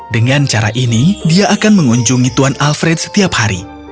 dengan cara ini dia akan mengunjungi tuan alfred setiap hari